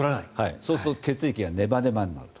そうすると血液がネバネバになると。